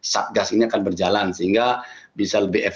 satgas ini akan berjalan sehingga bisa lebih efektif